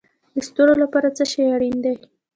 د ستورو لپاره څه شی اړین دی؟